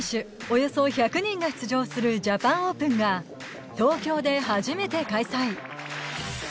およそ１００人が出場するジャパンオープンが東京で初めて開催。